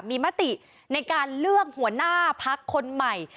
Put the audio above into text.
มีมติในการเลือกหัวหน้าพักคนใหม่